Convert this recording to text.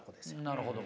なるほど。